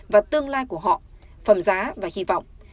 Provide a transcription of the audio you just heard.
và tương lai của họ phẩm giá và hy vọng